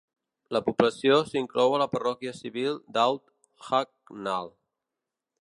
La població s'inclou a la parròquia civil d'Ault Hucknall.